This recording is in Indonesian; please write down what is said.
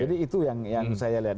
jadi itu yang saya lihat